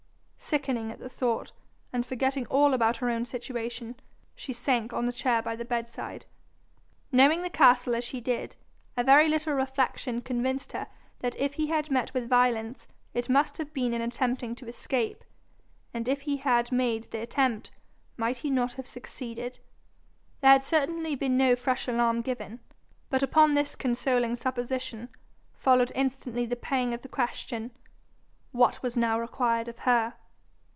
Sickening at the thought, and forgetting all about her own situation, she sank on the chair by the bedside. Knowing the castle as she did, a very little reflection convinced her that if he had met with violence it must have been in attempting to escape; and if he had made the attempt, might he not have succeeded? There had certainly been no fresh alarm given. But upon this consoling supposition followed instantly the pang of the question: what was now required of her?